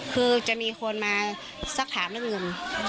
คือจะมีคนมาสักถามเรื่องอื่น